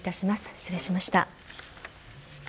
失礼しました。